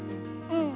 うん。